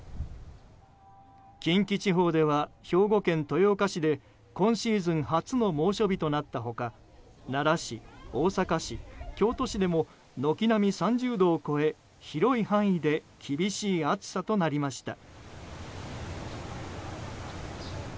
近畿地方では兵庫県豊岡市で今シーズン初の猛暑日となった他奈良市、大阪市、京都市でも軒並み３０度を超え広い範囲で厳しい暑さとなりました。